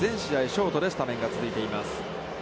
ショートでスタメンが続いています。